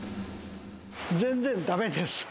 全然だめです。